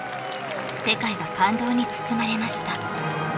世界が感動に包まれました・